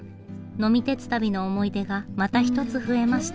呑み鉄旅の思い出がまた一つ増えました。